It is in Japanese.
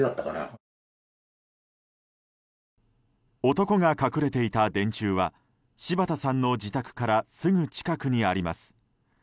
男が隠れていた電柱は柴田さんの自宅からすぐ近くにあります。